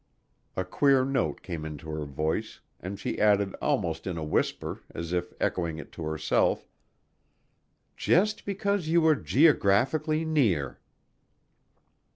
A queer note came into her voice and she added almost in a whisper as if echoing it to herself: "Just because you were geographically near!"